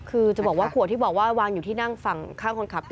คือจะบอกว่าขวดที่บอกว่าวางอยู่ที่นั่งฝั่งข้างคนขับ